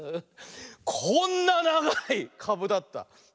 こんなながいかぶだった。ね。